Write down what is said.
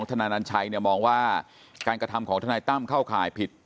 ทนายนัญชัยมองว่าการกระทำของทนายตั้มเข้าข่ายผิด